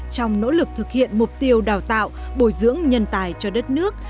trong nỗ lực thực hiện mục tiêu đào tạo bồi dưỡng nhân tài cho đất nước